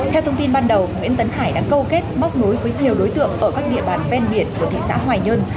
theo thông tin ban đầu nguyễn tấn hải đã câu kết móc nối với nhiều đối tượng ở các địa bàn ven biển của thị xã hoài nhơn